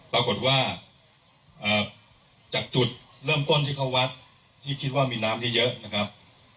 ปรากฏว่าจากจุดเริ่มต้นที่เขาวัดที่คิดว่ามีน้ำเยอะนะครับ